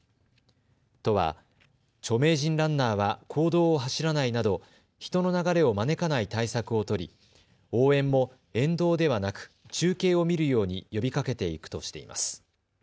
都は著名人ランナーは公道を走らないなど、人の流れを招かない対策を取り、応援も沿道ではなく中継を見るように呼びかけていくとしています。